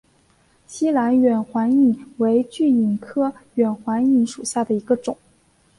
栖兰远环蚓为巨蚓科远环蚓属下的一个种。